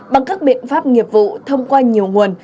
bằng các biện pháp nghiệp vụ thông qua nhiều nguồn